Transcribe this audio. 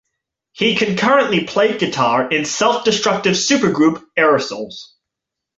He concurrently played guitar in self-destructive supergroup Aerosols.